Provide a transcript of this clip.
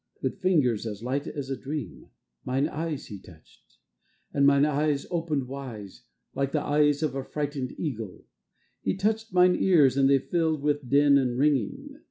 With fingers as light as a dream Mine eyes he touched: And mine eyes opened wise Like the eyes of a frightened eagle; He touched mine ears, And they filled with din and ringing.